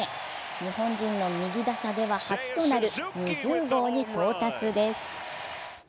日本人の右打者では初となる２０号に到達です。